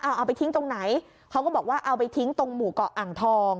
เอาเอาไปทิ้งตรงไหนเขาก็บอกว่าเอาไปทิ้งตรงหมู่เกาะอ่างทอง